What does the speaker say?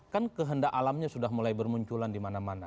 kan kehendak alamnya sudah mulai bermunculan di mana mana